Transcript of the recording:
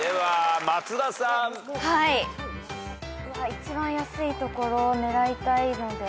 一番安いところを狙いたいので。